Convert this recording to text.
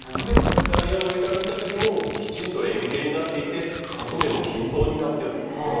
ダイヤを上から見た時もきちんと円形になっていてカット面も均等になってるんですね。